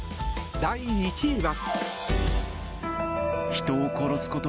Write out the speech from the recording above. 第１位は。